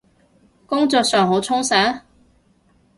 工作上好充實？